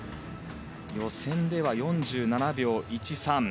予選では４７秒１３。